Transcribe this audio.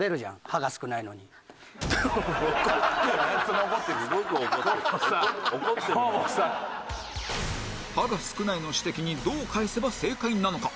「歯が少ない」の指摘にどう返せば正解なのか？